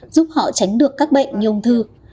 giúp họ tránh được các bệnh như ung thư